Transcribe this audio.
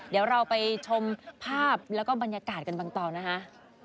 เดี๋ยวเราไปชมภาพแล้วก็บรรยากาศกันบางตอนนะคะ